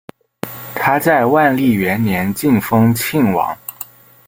他在万历元年晋封庆王。